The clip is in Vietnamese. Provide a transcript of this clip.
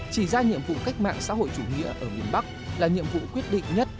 chỉ ra nhiệm vụ cách mạng xã hội chủ nghĩa ở miền bắc là nhiệm vụ quyết định nhất